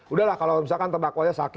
udah lah kalau misalkan tembakwanya sakit